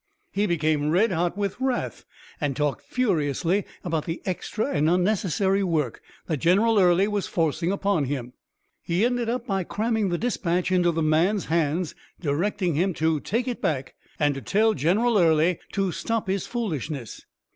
He became red hot with wrath, and talked furiously about the extra and unnecessary work that General Early was forcing upon him. He ended by cramming the dispatch into the man's hands, directing him to take it back, and to tell General Early to stop his foolishness.